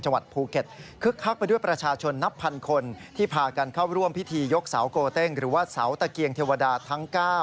หรือว่าเสาตะเกียงเทวดาทั้ง๙